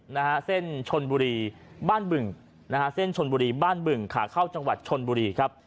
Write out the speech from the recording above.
นะฮะเส้นชนบุรีบ้านบึงนะฮะเส้นชนบุรีบ้านบึงขาเข้าจังหวัดชนบุรีครับ